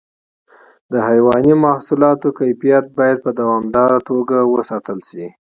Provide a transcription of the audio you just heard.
د حیواني محصولاتو کیفیت باید په دوامداره توګه وساتل شي.